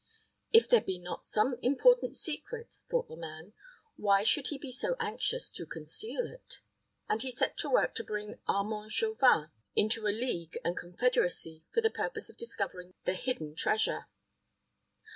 "If there be not some important secret," thought the man, "why should he be so anxious to conceal it?" and he set to work to bring Armand Chauvin into a league and confederacy for the purpose of discovering the hidden treasure.